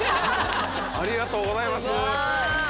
ありがとうございます！